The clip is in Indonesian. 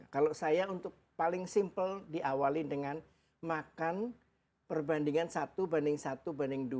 kalau saya untuk paling simple diawali dengan makan perbandingan satu banding satu banding dua